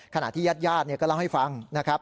ขณะที่ญาติญาติก็เล่าให้ฟังนะครับ